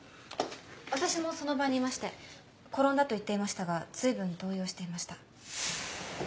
私もその場にいまして転んだと言っていましたが随分動揺していました。